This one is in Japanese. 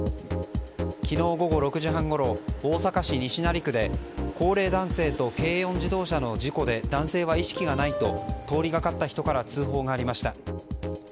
昨日午後６時半ごろ大阪市西成区で高齢男性と軽四自動車の事故で男性は意識がないと通りがかった人から通報がありました。